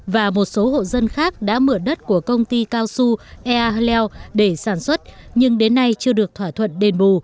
và một số hộ dân khác đã mượn đất của công ty cao su ea leo để sản xuất nhưng đến nay chưa được thỏa thuận đền bù